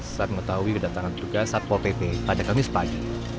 saat mengetahui kedatangan petugas satpol pp pada kamis pagi